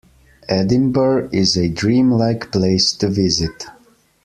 Edinburgh is a dream-like place to visit.